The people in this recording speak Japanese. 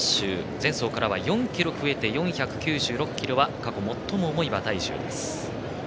前走からは４ｋｇ増えて４９６ｋｇは過去最も重い馬体重です。